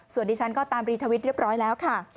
ส่วนดิฉันก็ตามรีทวิตเรียบร้อยแล้วค่ะ